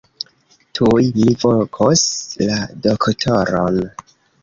Tuj mi vokos la doktoron.